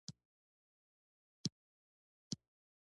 د کباب پلورنځي ډیر مشهور دي